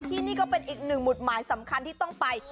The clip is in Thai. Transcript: ที่นี่ก็เป็นอีกหนึ่งหมุดหมายสำคัญที่ต้องไป